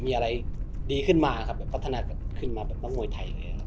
มีอะไรดีขึ้นมาตัรถนัดขึ้นมาเป็นความต้องมวยไทย